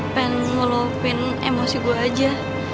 pengen ngelupin emosi gue aja